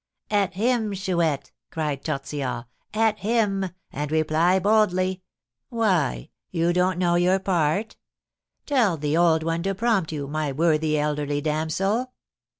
"At him, Chouette!" cried Tortillard. "At him! And reply boldly! Why, you don't know your part. Tell the 'old one' to prompt you, my worthy elderly damsel."